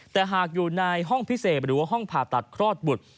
แต่หากอยู่ในห้องพิเศษหรือว่าห้องผ่าตัดคลอดบุตร